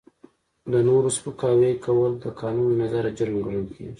د نورو سپکاوی کول د قانون له نظره جرم ګڼل کیږي.